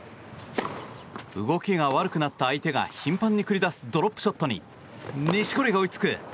動きが悪くなった相手が頻繁に繰り出すドロップショットに錦織が追いつく。